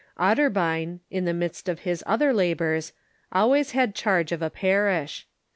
Otterbein, in the midst of his other labors, always had charge of a parish.